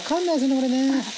これね。